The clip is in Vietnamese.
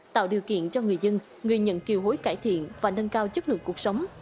tạo điều kiện cho người dân người nhận kiều hối cải thiện và nâng cao chất lượng cuộc sống